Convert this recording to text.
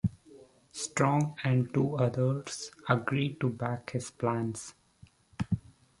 Strong and two others agree to back his plans.